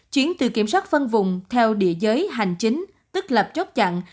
chuyến từ kiểm soát phân vùng theo địa giới hành chính tức lập chốt chặn